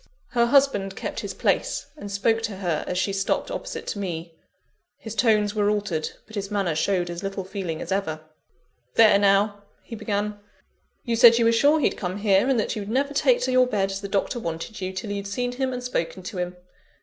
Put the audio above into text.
Her husband kept his place, and spoke to her as she stopped opposite to me. His tones were altered, but his manner showed as little feeling as ever. "There now!" he began, "you said you were sure he'd come here, and that you'd never take to your bed, as the Doctor wanted you, till you'd seen him and spoken to him.